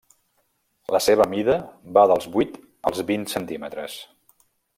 La seva mida va dels vuit als vint centímetres.